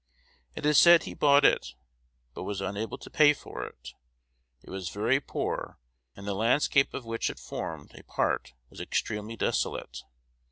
It is said he bought it, but was unable to pay for it. It was very poor, and the landscape of which it formed a part was extremely desolate.